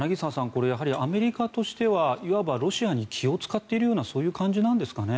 これ、やはりアメリカとしてはいわばロシアに気を使っているようなそういう感じなんですかね。